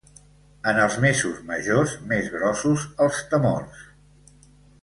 En els mesos majors, més grossos els temors.